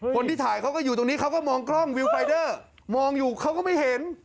คนที่ถ่ายเขาก็อยู่ตรงนี้เขาก็มองกล้องวิวไฟเดอร์มองอยู่เขาก็ไม่เห็น